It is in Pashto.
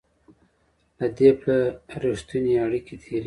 له دې پله رښتونې اړیکې تېرېږي.